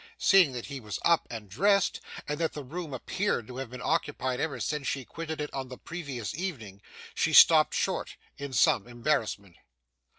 Seeing that he was up and dressed, and that the room appeared to have been occupied ever since she quitted it on the previous evening, she stopped short, in some embarrassment.